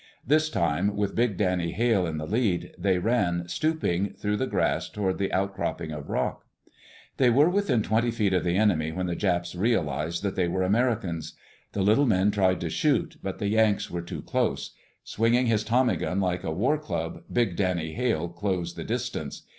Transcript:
This time, with big Danny Hale in the lead, they ran, stooping, through the grass toward the outcropping of rock. They were within twenty feet of the enemy when the Japs realized that they were Americans. The little men tried to shoot, but the Yanks were too close. Swinging his tommy gun like a war club, big Danny Hale closed the distance.